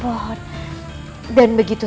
kau tak tahu apa itu